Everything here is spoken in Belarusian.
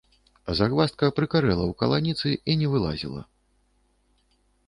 Загваздка прыкарэла ў каланіцы і не вылазіла.